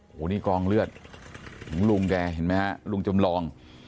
โอ้โหนี่กองเลือดของลุงแกเห็นไหมฮะลุงจำลอง